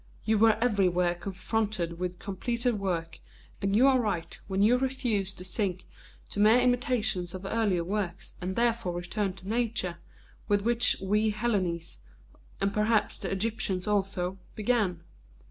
You were everywhere confronted with completed work, and you are right when you refuse to sink to mere imitators of earlier works, and therefore return to Nature, with which we Hellenes, and perhaps the Egyptians also, began.